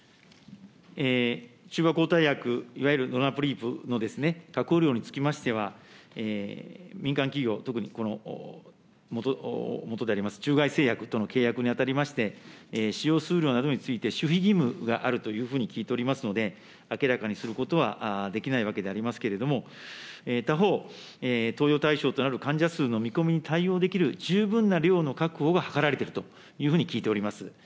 中和抗体薬、いわゆるロナプリーブの確保量につきましては、民間企業、特にこのもとであります、中外製薬との契約にあたりまして、使用数量などについて守秘義務があるというふうに聞いておりますので、明らかにすることはできないわけでありますけれども、他方、投与対象となる患者数の見込みに対応できる十分な量の確保が図られているというふうに聞いております。